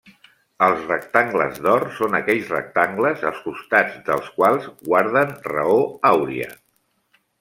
Els rectangles d'or són aquells rectangles els costats dels quals guarden raó àuria.